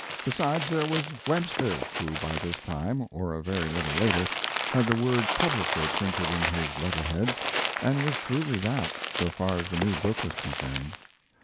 Besides, there was Webster, who by this time, or a very little later, had the word "publisher" printed in his letter heads, and was truly that, so far as the new book was concerned.